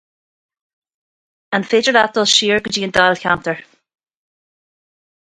An féidir leat dul siar go dtí an dáilcheantar?